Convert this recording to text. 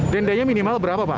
dendanya minimal berapa pak